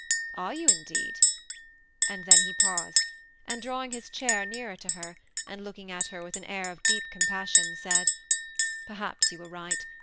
^' Are you, indeed ?" mid then he paused, and draw ing his chair nearer to her, and looking at her with an air of deep compassion, said, '^ Perhaps you are right.